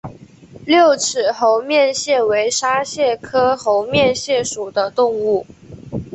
六齿猴面蟹为沙蟹科猴面蟹属的动物。